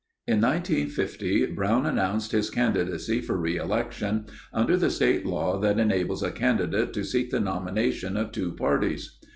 In 1950 Brown announced his candidacy for reelection under the state law that enables a candidate to seek the nomination of two parties.